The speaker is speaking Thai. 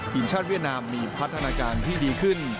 ทีมชาติเวียดนามมีพัฒนาการที่ดีขึ้น